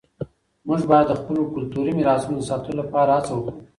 موږ باید د خپلو کلتوري میراثونو د ساتلو لپاره هڅه وکړو.